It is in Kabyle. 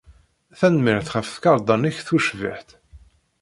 Tanemmirt ɣef tkarḍa-nnek tucbiḥt.